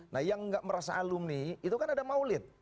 nah yang nggak merasa alumni itu kan ada maulid